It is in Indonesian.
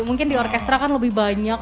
mungkin di orkestra kan lebih banyak